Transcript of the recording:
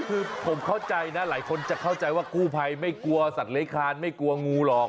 คือผมเข้าใจนะหลายคนจะเข้าใจว่ากู้ภัยไม่กลัวสัตว์เล้คานไม่กลัวงูหรอก